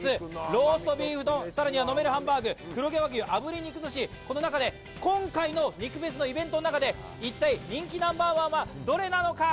ローストビーフ丼、さらには飲めるハンバーグ、黒毛和牛炙り肉寿司、この中で今回の肉フェスのイベントの中で一体人気ナンバーワンはどれなのか？